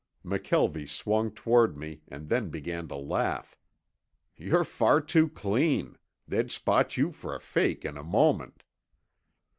McKelvie swung toward me and then began to laugh. "You're far too clean. They'd spot you for a fake in a moment."